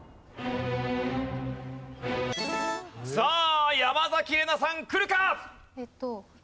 さあ山崎怜奈さんくるか？